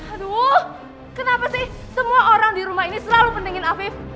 aduh kenapa sih semua orang di rumah ini selalu mendingin afif